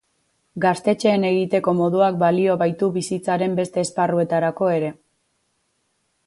Gaztetxeen egiteko moduak balio baitu bizitzaren beste esparruetarako ere.